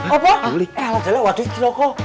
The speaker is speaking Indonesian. apa eh alat alat waduh siloko